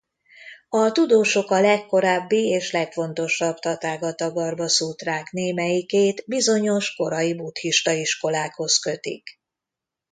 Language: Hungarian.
A tudósok a legkorábbi és legfontosabb Tathágata-garbha szútrák némelyikét bizonyos korai buddhista iskolákhoz kötik.